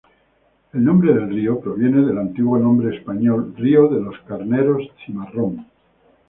El nombre del río proviene del antiguo nombre español, río de los Carneros Cimarrón.